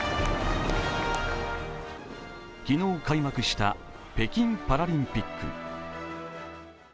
昨日開幕した北京パラリンピック。